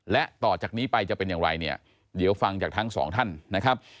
และต่อจากนี้ไปจะเป็นอย่างไรเนี่ยเดี๋ยวฟังจากทั้งสองท่านนะครับ